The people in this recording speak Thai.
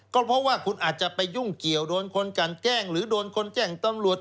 ก็เพราะว่าคุณอาจจะไปยุ่งเกี่ยวโดนคนกันแกล้งหรือโดนคนแจ้งตำรวจ